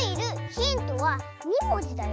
ヒントは２もじだよ。